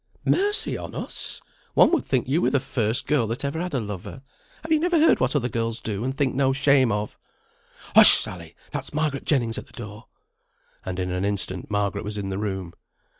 "Mercy on us! one would think you were the first girl that ever had a lover; have you never heard what other girls do and think no shame of?" "Hush, Sally! that's Margaret Jennings at the door." And in an instant Margaret was in the room.